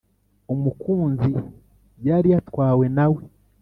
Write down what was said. Umukunzi yari yatwawe nawe,